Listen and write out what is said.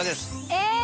え！